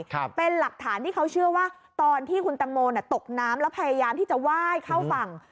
ครับเป็นหลักฐานที่เขาเชื่อว่าตอนที่คุณตังโมน่ะตกน้ำแล้วพยายามที่จะไหว้เข้าฝั่ง